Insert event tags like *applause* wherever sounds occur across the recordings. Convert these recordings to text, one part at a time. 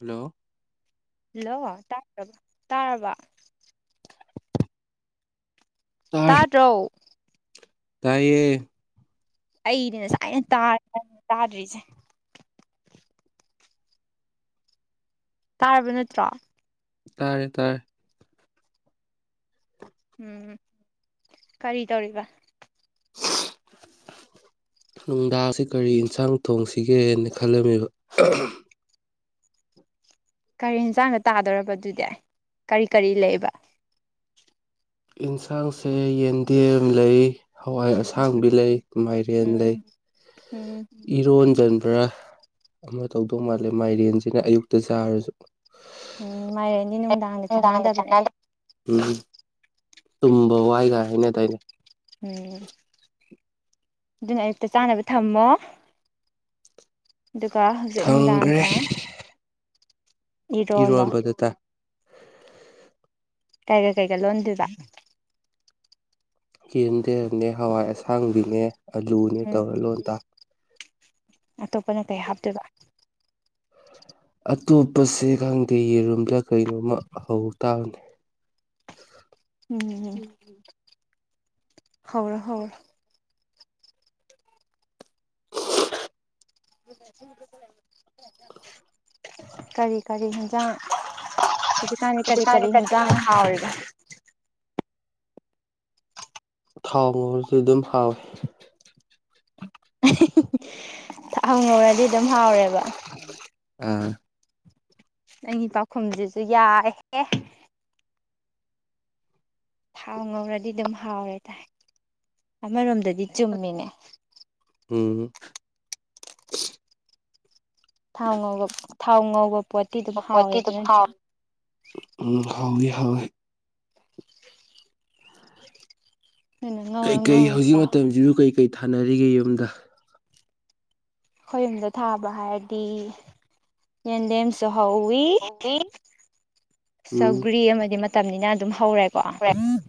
ꯂꯣ ꯂꯣ ꯇꯥꯠꯔꯕ ꯇꯥꯔꯕ ꯇꯥꯗ꯭ꯔꯣ ꯇꯥꯢꯌꯦ ꯑꯩꯗꯤ ꯁꯥꯏꯅ ꯇꯥꯔ ꯇꯥꯗ꯭ꯔꯤꯁꯦ ꯇꯥꯔꯕ ꯅꯠꯇ꯭ꯔꯣ ꯇꯥꯔꯦ ꯇꯥꯥꯏ ꯎꯝ ꯀꯔꯤ ꯇꯧꯔꯤꯕ *inaudible* ꯅꯨꯡꯗꯥꯁꯦ ꯀꯔꯤ ꯏꯟꯁꯥꯡ ꯊꯣꯡꯁꯤꯒꯦꯅꯦ ꯈꯜꯂꯝꯃꯤꯕ ꯀꯔꯤ ꯑꯟꯁꯥꯡꯗ ꯇꯥꯗꯣꯔꯕꯗꯨꯗꯤ ꯀꯔꯤ ꯀꯔꯤ ꯂꯩꯕ ꯏꯟꯁꯥꯡꯁꯦ ꯌꯦꯟꯗꯦꯝ ꯂꯩ ꯍꯋꯥꯏ ꯑꯁꯥꯡꯕꯤ ꯂꯩ ꯃꯥꯏꯔꯦꯟ ꯎꯝ ꯂꯩ ꯎꯝ ꯏꯔꯣꯟꯖꯟꯕ꯭ꯔꯥ ꯑꯃ ꯇꯧꯗꯧ ꯃꯥꯜꯂꯦ ꯃꯥꯏꯔꯦꯟꯁꯤꯅ ꯑꯌꯨꯛꯇ ꯆꯥꯔꯁꯨ ꯎꯝ ꯃꯥꯏꯔꯦꯟꯗꯤ ꯅꯨꯡꯗꯥꯡꯗ ꯅꯨꯡꯗꯥꯡꯒ ꯆꯥꯟꯅꯗꯕꯅꯦ ꯆꯥꯟꯅꯗꯦ ꯎꯝ ꯇꯨꯝꯕ ꯋꯥꯏꯒ ꯍꯥꯏꯅ ꯗꯥ ꯎꯝ ꯑꯗꯨꯅ ꯑꯌꯨꯛꯇ ꯆꯥꯅꯕ ꯊꯝꯃꯣ ꯗꯨꯒ ꯍꯧꯖꯤꯛ ꯊꯪꯈ꯭ꯔꯦ ꯅꯨꯡꯗꯥꯡꯅꯥ ꯏꯔꯣꯟꯕꯗ ꯇꯥ ꯀꯩꯒ ꯀꯩꯀꯥ ꯂꯣꯟꯗꯣꯏꯕ ꯌꯦꯟꯗꯥꯟꯅꯦ ꯍꯋꯥꯏ ꯑꯁꯥꯡꯕꯤꯅꯦ ꯑꯂꯨꯅꯦ ꯎꯝ ꯇꯧꯔ ꯂꯣꯟꯗ ꯑꯇꯣꯞꯄꯅ ꯀꯩ ꯍꯥꯞꯇꯣꯏꯕ ꯑꯇꯣꯞꯄꯁꯦ ꯈꯪꯗꯦ ꯌꯦꯔꯨꯝꯂꯥ ꯀꯩꯅꯣꯝꯃ ꯍꯧ ꯇꯥꯕꯅꯦ *inaudible* ꯎꯝ ꯍꯧꯔꯣ ꯍꯧꯔꯣ ꯀꯔꯤ ꯀꯔꯤ ꯌꯦꯟꯖꯥꯡ ꯍꯨꯖꯤꯛꯀꯥꯟꯗꯤ ꯀꯔꯤ ꯀꯔꯤ ꯌꯦꯟꯖꯥꯡ ꯍꯥꯎꯔꯤꯒꯦ ꯊꯥꯎ ꯉꯣꯔꯁꯨ ꯗꯨꯝ ꯍꯥꯎꯌꯦ *inaudible* ꯍꯪꯉꯨꯔꯗꯤ ꯑꯗꯨꯝ ꯍꯥꯎꯔꯦꯕ ꯑꯥ ꯅꯪꯒꯤ ꯄꯥꯎꯈꯨꯝꯖꯤꯖꯨ ꯌꯥꯏꯍꯦ ꯊꯥꯎ ꯉꯧꯔꯗꯤ ꯑꯗꯨꯝ ꯍꯥꯎꯔꯦ ꯇꯥꯏ ꯑꯃꯔꯣꯝꯗꯗꯤ ꯆꯨꯝꯃꯤꯅꯦ ꯎꯝ ꯊꯥꯎ ꯉꯧꯕ ꯊꯥꯎ ꯉꯧꯕ ꯄꯣꯠꯇꯤ ꯑꯗꯨꯝ ꯄꯣꯠꯇꯤ ꯍꯥꯎꯋꯦꯕ ꯑꯗꯨꯝ ꯅꯠꯇ꯭ꯔꯥ ꯍꯥꯎꯋꯦ ꯎꯝ ꯍꯥꯎꯅꯤ ꯍꯥꯎꯋꯦ *inaudible* ꯉꯧꯔ ꯀꯩꯀꯩ ꯉꯧꯔ ꯍꯧꯖꯤꯛ ꯆꯥꯎ ꯃꯇꯝꯁꯤꯖꯨ ꯀꯩꯀꯩ ꯊꯥꯅꯔꯤꯒꯦ ꯌꯨꯝꯗ ꯑꯩꯈꯣꯏ ꯌꯨꯝꯗ ꯊꯥꯕ ꯍꯥꯏꯔꯗꯤ ꯌꯦꯟꯗꯦꯝꯁꯨ ꯍꯧꯋꯤ ꯀꯣꯕꯤ ꯎꯝ ꯁꯧꯒ꯭ꯔꯤ ꯑꯃꯗꯤ ꯃꯇꯝꯅꯤꯅ ꯑꯗꯨꯝ ꯍꯧꯔꯦꯀꯣ ꯎꯝ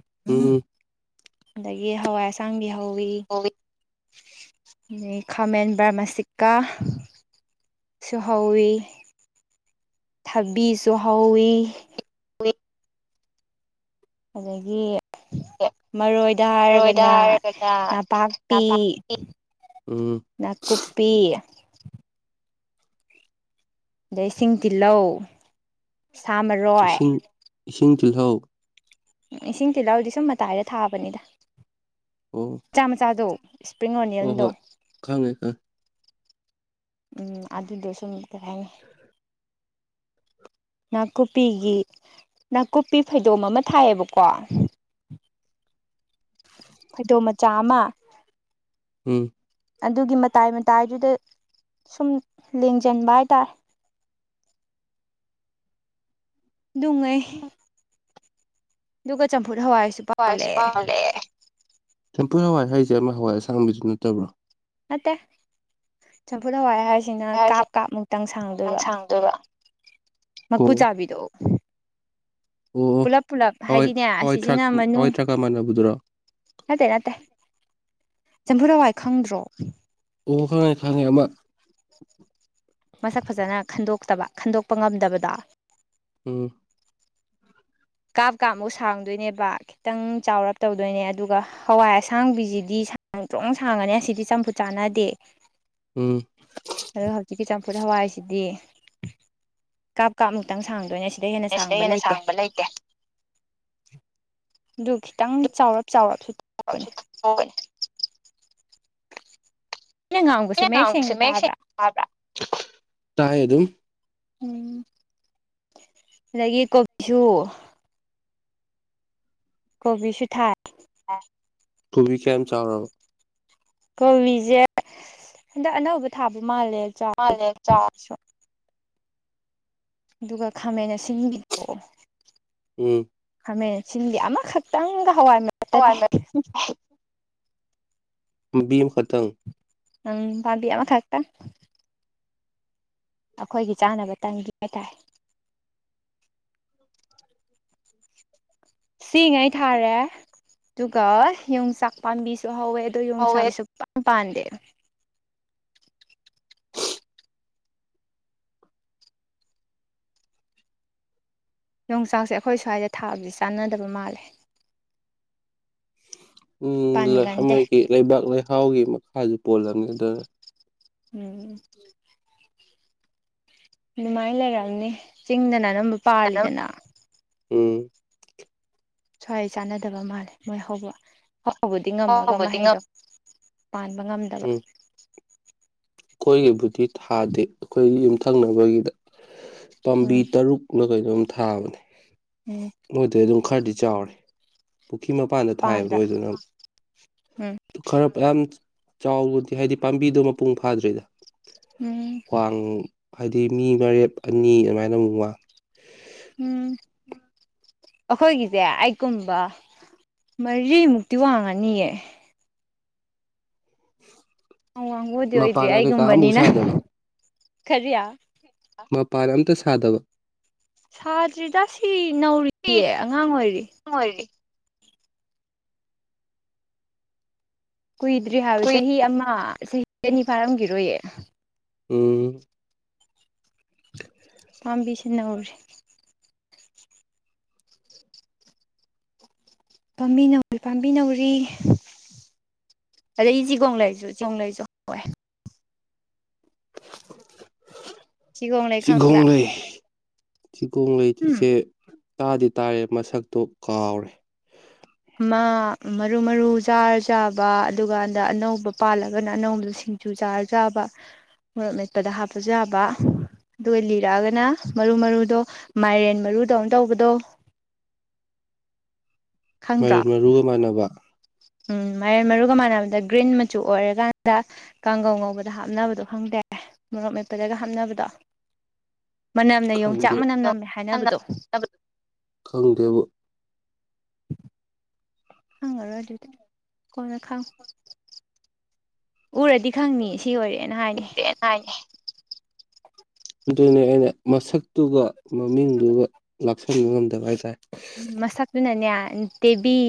ꯑꯗꯒꯤ ꯍꯋꯥꯏ ꯑꯁꯥꯡꯕꯤ ꯍꯧꯋꯤ ꯑꯗꯩ ꯈꯥꯃꯦꯟ ꯕ꯭ꯔꯃꯥꯁꯤꯀꯥ ꯁꯨ ꯍꯧꯋꯤ ꯊꯕꯤ ꯁꯨ ꯍꯧꯋꯤ *unintelligible* ꯑꯗꯒꯤ ꯃꯔꯣꯏꯗ ꯔꯣꯏꯗ ꯍꯥꯏꯔꯒꯅ ꯍꯥꯏꯔꯒꯅ ꯅꯄꯥꯛꯄꯤ ꯅꯄꯥꯛꯄꯤ ꯎꯝ ꯅꯥꯀꯨꯞꯄꯤ ꯑꯗꯩ ꯏꯁꯤꯡ ꯇꯤꯜꯍꯧ ꯁꯥ ꯃꯔꯣꯏ ꯏꯁꯤꯡ ꯏꯁꯤꯡ ꯇꯤꯜꯍꯧ ꯏꯁꯤꯡ ꯇꯤꯜꯍꯥꯎꯗꯤ ꯁꯨꯝ ꯃꯇꯥꯏꯗ ꯊꯥꯕꯅꯤꯗ ꯑꯣ ꯃꯆꯥ ꯃꯆꯥꯗꯣ ꯏꯁꯄ꯭ꯔꯤꯡ ꯍꯣꯏ ꯑꯣꯅꯤꯌꯟꯗꯣ ꯍꯣꯏ ꯈꯪꯉꯦ ꯈꯪꯉ ꯎꯝ ꯑꯗꯨꯗꯣ ꯁꯨꯝ ꯀꯩ ꯍꯥꯏꯅꯤ *inaudible* ꯅꯥꯀꯨꯞꯄꯤꯒꯤ ꯅꯥꯀꯨꯞꯄꯤ ꯐꯩꯗꯣꯝ ꯑꯃ ꯊꯥꯏꯌꯦꯕꯀꯣ ꯐꯩꯗꯣꯝ ꯃꯆꯥ ꯈꯪꯉꯦ ꯑꯃ ꯎꯝ ꯑꯗꯨꯒꯤ ꯃꯇꯥꯏ ꯃꯇꯥꯏꯗꯨꯗ ꯁꯨꯝ ꯂꯦꯡꯖꯟꯕ ꯍꯥꯏꯇꯥꯔꯦ ꯑꯗꯨꯉꯩ ꯑꯗꯨꯒ ꯆꯝꯐꯨꯠ ꯍꯋꯥꯏꯁꯨ ꯍꯋꯥꯏꯁꯨ ꯄꯥꯜꯂꯛꯑꯦ ꯄꯜꯂꯦ ꯆꯝꯐꯨꯠ ꯍꯋꯥꯏ ꯍꯥꯏꯁꯦ ꯑꯃ ꯍꯋꯥꯏ ꯑꯁꯥꯡꯕꯤꯗꯨ ꯅꯠꯇꯕ꯭ꯔꯣ ꯅꯠꯇꯦ ꯆꯝꯐꯨꯠ ꯍꯋꯥꯏ ꯍꯥꯏꯁꯤꯅ ꯍꯥꯏꯁꯦ ꯀꯥꯞ ꯀꯥꯞꯃꯨꯛꯇꯪ ꯈꯤꯇꯪ ꯁꯥꯡꯗꯣꯏꯕ ꯁꯥꯡꯗꯣꯏꯕ ꯃꯀꯨ ꯑꯣ ꯆꯥꯕꯤꯗꯣ ꯑꯣ ꯑꯣ ꯄꯨꯜꯂꯞ ꯄꯨꯜꯂꯞ ꯍꯋꯥꯏ ꯍꯥꯏꯗꯤꯅꯦ ꯍꯋꯥꯏ ꯊꯔꯥꯛ ꯑꯁꯤꯖꯤꯅ ꯍꯋꯥꯏ ꯃꯅꯨꯡ ꯊꯔꯥꯛꯀ ꯃꯥꯟꯅꯕꯗꯨꯔꯣ ꯅꯠꯇꯦ ꯅꯠꯇꯦ ꯆꯝꯐꯨꯠ ꯍꯋꯥꯏ ꯈꯪꯗ꯭ꯔꯣ ꯑꯣ ꯈꯪꯉꯦ ꯈꯪꯉꯦ ꯑꯃ ꯃꯁꯛ ꯐꯖꯅ ꯈꯟꯗꯣꯛꯇꯕ ꯈꯟꯗꯣꯛꯄ ꯉꯝꯗꯕꯗꯣ ꯎꯝ ꯀꯥꯞ ꯀꯥꯞꯃꯨꯛ ꯁꯥꯡꯗꯨꯏꯅꯦꯕ ꯈꯤꯇꯪ ꯆꯥꯎꯔꯞ ꯇꯧꯗꯣꯏꯅꯦ ꯑꯗꯨꯒ ꯍꯋꯥꯏ ꯑꯁꯥꯡꯕꯤꯖꯤꯗꯤ ꯁꯥꯡꯇ꯭ꯔꯣꯡ ꯁꯥꯡꯉꯅꯤ ꯑꯁꯤꯗꯤ ꯆꯝꯐꯨꯠ ꯆꯥꯟꯅꯗꯦ ꯎꯝ ꯑꯗꯨꯒ ꯍꯧꯖꯤꯛꯀꯤ ꯆꯝꯐꯨꯠ ꯍꯋꯥꯏꯁꯤꯗꯤ ꯀꯥꯞ ꯀꯥꯞꯃꯨꯛꯇꯪ ꯁꯥꯡꯗꯣꯏꯅꯦ ꯁꯤ ꯅꯦ ꯁꯤꯗꯩ ꯍꯦꯟꯅ ꯁꯥꯡꯕ ꯂꯩꯇꯦ ꯑꯗꯨ ꯈꯤꯇꯪ ꯆꯥꯎꯔꯞ ꯆꯥꯎꯔꯞꯁꯨ *unintelligible* ꯉꯥꯡꯕꯁꯦ ꯑꯩꯅ ꯉꯥꯡꯕꯁꯦ ꯁꯦꯡꯅ ꯃꯌꯦꯛ ꯁꯦꯡ ꯇꯥꯕ꯭ꯔꯥ ꯇꯥꯕ꯭ꯔꯥ ꯇꯥꯏ ꯑꯗꯨꯝ ꯎꯝ ꯑꯗꯒꯤ ꯀꯣꯕꯤꯁꯨ ꯀꯣꯕꯤꯁꯨ ꯊꯥꯏ ꯀꯣꯕꯤ ꯀꯌꯝ ꯆꯥꯎꯔꯕ ꯀꯣꯕꯤꯖꯦ ꯍꯟꯗꯛ ꯑꯅꯧꯕ ꯊꯥꯕ ꯃꯥꯜꯂꯦ ꯆꯥꯎ ꯃꯥꯂꯦ ꯆꯥ ꯑꯗꯨꯒ ꯈꯥꯃꯦꯟ ꯑꯁꯤꯟꯕꯤꯗꯣ ꯎꯝ ꯈꯥꯃꯦꯟ ꯑꯁꯤꯟꯗꯤ ꯑꯃꯈꯛꯇꯪꯒ ꯍꯋꯥꯏ ꯃꯔꯛꯇꯥ ꯇꯥꯏ ꯄꯟꯕꯤ ꯑꯃ ꯈꯛꯇꯪ ꯎꯝ ꯄꯥꯟꯕꯤ ꯑꯃ ꯈꯠꯇꯪ ꯑꯈꯣꯏꯒꯤ ꯆꯥꯅꯕ ꯇꯪꯒꯤ ꯍꯥꯏꯇꯥꯔꯦ ꯁꯤꯉꯩ ꯊꯥꯔꯦ ꯑꯗꯨꯒ ꯌꯣꯡꯆꯥꯛ ꯄꯥꯝꯕꯤꯁꯨ ꯍꯧꯋꯦ ꯑꯗꯣ ꯍꯧꯋꯦ ꯌꯣꯡꯆꯥꯛꯁꯨ ꯏꯄꯥꯟ ꯄꯥꯟꯗꯦ ꯌꯣꯡꯆꯥꯛꯁꯦ ꯑꯈꯣꯏ ꯁ꯭ꯋꯥꯏꯗ ꯊꯥꯕꯗꯤ ꯆꯥꯟꯅꯗꯕ ꯃꯥꯜꯂꯦ ꯎꯝ ꯄꯥꯟꯒꯟꯗꯦ ꯂꯩꯍꯝꯍꯣꯏꯒꯤ ꯂꯩꯕꯥꯛ ꯂꯩꯍꯥꯎꯒꯤ ꯃꯈꯥꯁꯨ ꯄꯣꯜꯂꯝꯅꯤꯗ ꯎꯝ ꯑꯗꯨꯃꯥꯏꯟ ꯂꯩꯔꯝꯅꯤ ꯆꯤꯡꯗꯅ ꯑꯅꯝꯕ ꯄꯥꯜꯂꯤꯗꯅ ꯎꯝ ꯁ꯭ꯋꯥꯏ ꯆꯥꯟꯅꯗꯕ ꯃꯥꯜꯂꯦ ꯃꯣꯏ ꯍꯧꯕ ꯍꯧꯕꯗꯤ ꯉꯝꯃꯒ ꯍꯥꯎꯕꯨꯗꯤ ꯉꯝ ꯃꯍꯩꯗꯣ ꯄꯥꯟꯕ ꯉꯝꯗꯕ ꯑꯈꯣꯏꯒꯤꯕꯨꯗꯤ ꯊꯥꯗꯦ ꯑꯈꯣꯏꯒꯤ ꯌꯨꯝꯊꯪꯅꯕꯒꯤꯗ ꯄꯥꯝꯕꯤ ꯎꯝ ꯇꯔꯨꯛ ꯑꯗꯨ ꯀꯩꯅꯣꯝ ꯊꯥꯕꯅꯦ ꯎꯝ ꯃꯣꯏꯗꯩ ꯑꯗꯨꯝ ꯈꯔꯗꯤ ꯆꯥꯎꯔꯦ ꯄꯨꯈ꯭ꯔꯤ ꯃꯄꯥꯟꯗ ꯊꯥꯏꯌꯦꯕ ꯄꯥꯟꯗ꯭ꯔꯥ ꯃꯣꯏꯗꯨꯅ ꯎꯝ ꯈꯔ ꯌꯥꯝ ꯆꯥꯎꯕꯗꯤ ꯍꯥꯏꯗꯤ ꯄꯥꯝꯕꯤꯗꯣ ꯃꯄꯨꯡ ꯐꯥꯗ꯭ꯔꯤꯗ ꯎꯝ ꯋꯥꯡ ꯍꯥꯏꯗꯤ ꯃꯤ ꯃꯔꯦꯞ ꯑꯅꯤ ꯑꯗꯨꯃꯥꯏꯅ ꯑꯃꯨꯛ ꯋꯥꯡ ꯎꯝ ꯑꯈꯣꯏꯒꯤꯖꯦ ꯑꯩꯒꯨꯝꯕ ꯃꯔꯤꯃꯨꯛꯇꯤ ꯋꯥꯡꯉꯅꯤꯌꯦ ꯌꯥꯝ ꯋꯥꯡꯕꯕꯨꯗꯤ ꯑꯣꯏꯗ꯭ꯔꯤ ꯃꯄꯥꯟ ꯀꯩꯀꯥ ꯑꯃꯐꯥꯎ ꯑꯩꯒꯨꯝꯕꯅꯤꯅ ꯁꯥꯗꯕ ꯀꯔꯤ ꯃꯄꯥꯟ ꯑꯝꯇꯥ ꯁꯥꯗꯕ ꯁꯥꯗ꯭ꯔꯤꯗ ꯁꯤ ꯅꯧꯔꯤꯌꯦ ꯑꯉꯥꯡ ꯑꯣꯏꯔꯤ ꯑꯉꯥꯡ ꯑꯣꯏꯔꯤ ꯀꯨꯏꯗ꯭ꯔꯤ ꯍꯥꯏꯕ ꯆꯍꯤ ꯑꯃ ꯆꯍꯤ ꯑꯅꯤ ꯐꯥꯔꯝꯒꯤꯔꯣꯏꯌꯦ ꯎꯝ ꯄꯥꯝꯕꯤꯁꯤ ꯅꯧꯔꯤ ꯄꯥꯝꯕꯤ ꯅꯧꯔꯤ ꯄꯥꯝꯕꯤ ꯅꯧꯔꯤ ꯑꯗꯩ ꯆꯤꯒꯣꯡ ꯂꯩꯩꯁꯨ ꯆꯤꯒꯣꯡ ꯂꯩꯁꯨ ꯍꯧꯋꯦ ꯆꯤꯒꯣꯡ ꯂꯩ ꯆꯤꯒꯣꯡ ꯈꯪꯕ꯭ꯔꯥ ꯂꯩ ꯆꯤꯒꯣꯡ ꯎꯝ ꯂꯩꯁꯦ ꯇꯥꯗꯤ ꯇꯥꯔꯦ ꯃꯁꯛꯇꯣ ꯀꯥꯎꯔꯦ ꯑꯃ ꯃꯔꯨ ꯃꯔꯨ ꯆꯥꯔ ꯆꯥꯕ ꯑꯗꯨꯀꯥꯟꯗ ꯑꯅꯧꯕ ꯄꯥꯜꯂꯒꯅ ꯑꯅꯧꯕꯗꯣ ꯁꯤꯡ ꯆꯨ ꯆꯥꯔ ꯆꯥꯕ ꯃꯣꯔꯣꯛ ꯃꯦꯠꯄꯗ ꯍꯥꯞꯄꯖꯨ ꯌꯥꯥꯕ ꯗꯨ ꯂꯤꯔꯛꯑꯒꯅ ꯃꯔꯨ ꯃꯔꯨꯗꯣ ꯃꯥꯏꯔꯦꯟ ꯃꯔꯨꯗꯧꯅ ꯇꯧꯕꯗꯣ ꯈꯪꯗ꯭ꯔꯣ ꯌꯦꯛꯃꯥꯟꯅꯕ ꯎꯝ ꯃꯔꯦꯟ ꯃꯔꯨꯒ ꯃꯥꯟꯅꯕꯗ ꯒ꯭ꯔꯤꯟ ꯃꯆꯨ ꯑꯣꯏꯔꯀꯥꯟꯗ ꯀꯥꯡꯒꯧ ꯉꯧꯕꯗ ꯍꯥꯞꯅꯕꯗꯣ ꯈꯪꯗꯦ ꯃꯣꯔꯣꯛ ꯃꯦꯠꯄꯗꯒ ꯍꯥꯞꯅꯕꯗꯣ ꯃꯅꯝꯅ ꯌꯣꯡꯆꯥꯛ ꯈꯪꯗꯦ ꯃꯅꯝ ꯅꯝꯃꯦ ꯍꯥꯏꯅꯕꯗꯣ ꯈꯪꯗꯦꯕꯣ ꯈꯪꯉꯔꯣꯏ ꯑꯗꯨꯗꯤ ꯀꯣꯟꯅ ꯈꯪꯉꯣ ꯎꯔꯗꯤ ꯈꯪꯅꯤ ꯁꯤ ꯑꯣꯏꯔꯦꯅ ꯍꯥꯏꯅꯤ *unintelligible* ꯑꯗꯨꯅꯦ ꯑꯩꯅ ꯃꯁꯛꯇꯨꯒ ꯃꯃꯤꯡꯗꯨꯒ ꯂꯥꯛꯁꯟꯕ ꯉꯝꯗꯕ ꯍꯥꯏꯇꯥꯔꯦ ꯃꯁꯛꯇꯨꯅꯅꯦ ꯇꯦꯕꯤ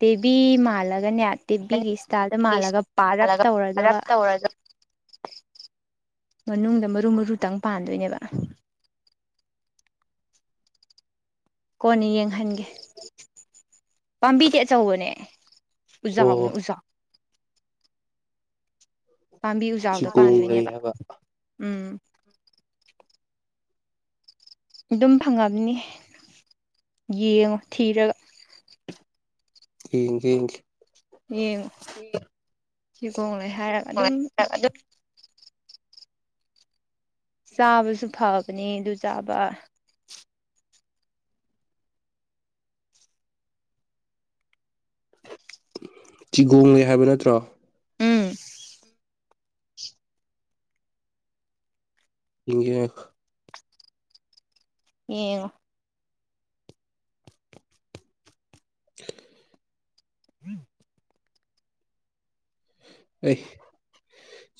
ꯇꯦꯕꯤ ꯃꯥꯜꯂꯒꯅꯦ ꯇꯦꯚꯤꯒꯤ ꯏꯁꯇꯥꯏꯜꯗ ꯃꯥꯜꯂꯒ ꯄꯔꯞ ꯍꯜꯂꯒ ꯇꯧꯔ ꯔꯞ ꯗꯨꯒ ꯇꯧꯔꯒ ꯃꯅꯨꯡꯗ ꯃꯔꯨ ꯃꯔꯨꯇꯪ ꯄꯥꯟꯗꯣꯏꯅꯦꯕ ꯀꯣꯟꯅꯦ ꯌꯦꯡꯍꯟꯒꯦ ꯄꯥꯝꯕꯤꯗꯤ ꯑꯆꯧꯕꯅꯦ ꯎꯖꯥꯎꯅꯦ ꯑꯣ ꯎꯖꯥꯎ ꯄꯥꯝꯕꯤ ꯎꯖꯥꯎꯗ ꯆꯤꯒꯣꯡ ꯂꯩ ꯄꯥꯟꯗꯣꯏꯅꯦꯕ ꯍꯥꯏꯕ ꯎꯝ ꯑꯗꯨꯝ ꯐꯪꯉꯝꯅꯤ ꯌꯦꯡꯉꯣ ꯊꯤꯔꯒ ꯌꯦꯡꯒꯦ ꯌꯦꯡꯒꯦ ꯌꯦꯡꯉꯣ ꯆꯤꯒꯣꯡꯂꯩ ꯍꯥꯏꯔꯒ ꯑꯗꯨꯝ ꯑꯗꯨꯝ ꯆꯥꯕꯁꯨ ꯐꯕꯅꯦ ꯑꯗꯨ ꯆꯥꯕ ꯆꯤꯒꯣꯡꯉꯦ ꯍꯥꯏꯕ ꯅꯠꯇ꯭ꯔꯣ ꯎꯝ *unintelligible* ꯌꯦꯉꯣ *unintelligible* *unintelligible* ꯑꯩ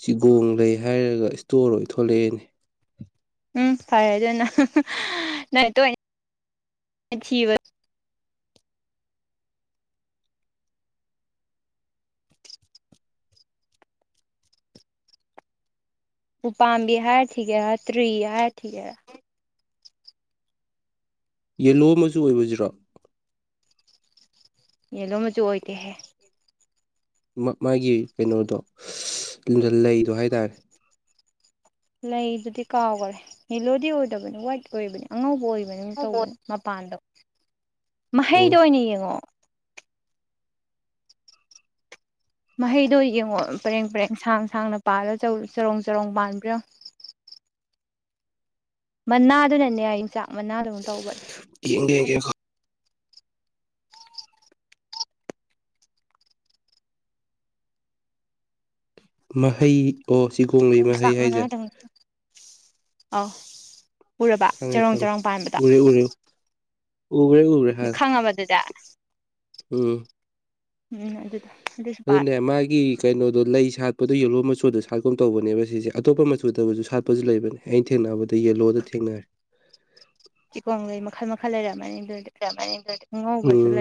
ꯆꯤꯒꯣꯡ ꯂꯩ ꯍꯥꯏꯔꯒ ꯏꯁꯇꯣꯔ ꯑꯣꯏ ꯊꯣꯛꯂꯛꯑꯦꯅꯦ ꯎꯝ ꯐꯔꯦ ꯑꯗꯨꯅ ꯅꯥ ꯇꯣꯏ ꯊꯤꯕ ꯎꯄꯥꯝꯕꯤ ꯍꯥꯏꯔ ꯈꯤꯒꯦꯔꯥ ꯇ꯭ꯔꯤ ꯍꯥꯏꯔ ꯈꯤꯒꯦꯔꯥ ꯌꯦꯂꯣ ꯃꯆꯨ ꯑꯣꯏꯕꯖꯤꯔꯣ ꯌꯦꯂꯣ ꯃꯆꯨ ꯑꯣꯏꯗꯦꯍꯦ ꯃꯥ ꯃꯥꯒꯤ ꯀꯩꯅꯣꯗꯣ *unintelligible* ꯂꯩꯗꯣ ꯍꯥꯏꯇꯥꯔꯦ ꯂꯩꯗꯨꯗꯤ ꯀꯥꯎꯒꯔꯦ ꯌꯦꯂꯣꯗꯤ ꯑꯣꯏꯗꯕꯅꯤ ꯋꯥ꯭ꯏꯠ ꯑꯣꯏꯕꯅꯦ ꯑꯉꯧꯕ ꯑꯣꯏꯕꯅꯦ ꯒꯨꯝ ꯑꯣ ꯇꯧꯕꯅꯤ ꯃꯄꯥꯟꯗꯣ ꯃꯍꯩꯗꯣ ꯑꯣꯏꯅ ꯌꯦꯡꯉꯣ ꯃꯍꯩꯗꯣ ꯌꯦꯡꯉꯣ ꯄꯔꯦꯡ ꯄꯔꯦꯡ ꯁꯥꯡ ꯁꯥꯡꯅ ꯄꯥꯜꯂꯒ ꯆꯧ ꯆꯔꯣꯡ ꯆꯔꯣꯡ ꯄꯥꯟꯕ꯭ꯔꯣ ꯌꯦꯡꯉꯣ ꯃꯅꯥꯗꯨꯅꯅꯦ ꯌꯦꯟꯆꯥꯛ ꯃꯅꯥꯗꯧ ꯇꯧꯕꯅꯦ ꯌꯦꯡꯒꯦ ꯌꯦꯡꯒꯦ ꯉꯥꯏꯈꯣ ꯃꯍꯩ ꯑꯣ ꯁꯤꯒꯣꯡꯂꯩ ꯂꯩꯃꯍꯩ ꯍꯥꯏꯖꯦ ꯑ ꯎꯔꯕ ꯈꯪꯉꯦ ꯆꯔꯣꯡ ꯆꯔꯣꯡ ꯄꯥꯟꯕꯗꯣ ꯎꯒꯔꯦ ꯎꯒꯔꯦ ꯈꯪ ꯉꯥꯕꯗꯨꯗ ꯎꯝ ꯎꯝ ꯑꯗꯨꯗꯣ ꯑꯗꯨꯁꯨ ꯄꯥꯔꯦ ꯑꯗꯨꯅꯦ ꯃꯥꯒꯤ ꯀꯩꯅꯣꯗꯣ ꯂꯩ ꯁꯥꯠꯄꯗꯣ ꯌꯦꯂꯣ ꯃꯆꯨꯗ ꯁꯥꯠꯀꯨꯝ ꯇꯧꯕꯅꯦꯕ ꯁꯤꯁꯦ ꯑꯇꯣꯞꯄ ꯃꯆꯨꯗꯕꯨꯁꯨ ꯁꯥꯠꯄꯁꯨ ꯂꯩꯕꯅꯦ ꯑꯩꯅ ꯊꯦꯡꯅꯕꯗ ꯌꯦꯂꯣꯗ ꯊꯦꯡꯅꯔꯦ ꯆꯤꯀꯣꯡꯂꯩ ꯃꯈꯜ ꯃꯈꯜ ꯂꯩꯔꯑꯃꯅꯤꯗꯨꯗꯤ꯫ *unintelligible* ꯎꯝ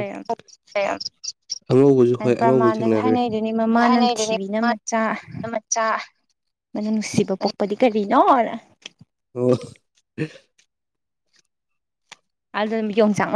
ꯑꯉꯧꯕꯁꯨ ꯍꯥꯏ ꯍꯣꯏ ꯑꯉꯧꯕꯁꯨ ꯄ꯭ꯔꯃꯥꯟꯗꯒ ꯊꯦꯡꯅꯈ꯭ꯔꯦ ꯍꯥꯏꯅꯩꯗꯨꯅꯤ ꯃꯃꯥ ꯅꯝꯊꯤꯕꯤꯅ *unintelligible* ꯃꯅꯝ ꯅꯨꯡꯁꯤꯕ ꯄꯣꯛꯄꯗꯤ ꯀꯔꯤꯅꯣꯅ꯫ ꯑꯣ ꯑꯗꯨꯝ ꯌꯣꯡ ꯆꯥꯛ